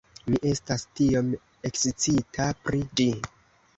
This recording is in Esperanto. Mi estas tiom ekscita pri ĝi